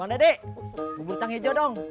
bang dede bubur tang hijau dong